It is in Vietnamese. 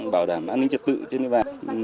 bảo đảm an ninh trật tự trên địa bàn